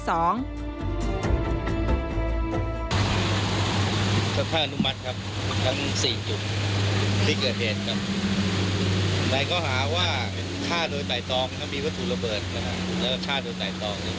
สมทรณ์อธิบาย